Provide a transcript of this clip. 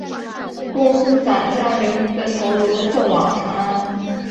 公孙瓒将刘虞的头颅送往长安。